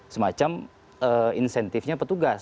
semacam insentifnya petugas